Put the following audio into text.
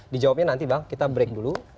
di jawabnya nanti bang kita break dulu